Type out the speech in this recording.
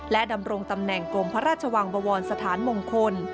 ดำรงตำแหน่งกรมพระราชวังบวรสถานมงคล